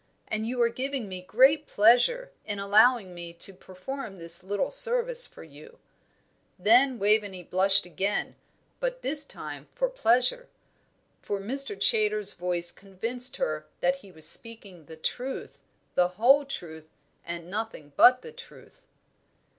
And you are giving me great pleasure, in allowing me to perform this little service for you." Then Waveney blushed again, but this time for pleasure, for Mr. Chaytor's voice convinced her that he was speaking the truth, the whole truth and nothing but the truth.